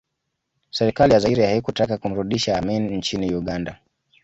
Serikali ya Zaire haikutaka kumrudisha Amin nchini Uganda